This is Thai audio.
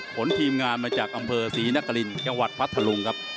ทีมงานมาจากอำเภอศรีนครินจังหวัดพัทธลุงครับ